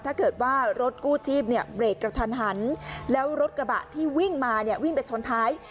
ถ้าเกิดว่ารถกู้ชีพเนี่ยเบรกกระทันหันแล้วรถกระบะที่วิ่งมาเนี่ยวิ่งไปชนท้าย